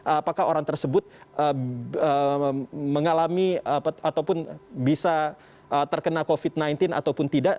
apakah orang tersebut mengalami ataupun bisa terkena covid sembilan belas ataupun tidak